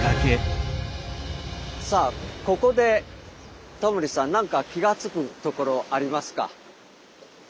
さあここでタモリさん何か気が付くところありますか？